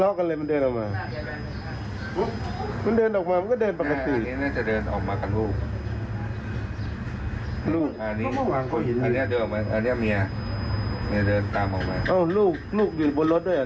ออกแล้วอันนี้คือออกแล้ว